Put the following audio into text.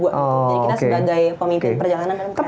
jadi kita sebagai pemimpin perjalanan di dalam kereta